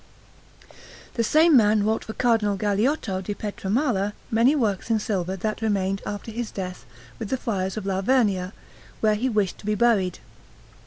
The same man wrought for Cardinal Galeotto da Pietramala many works in silver that remained after his death with the friars of La Vernia, where he wished to be buried.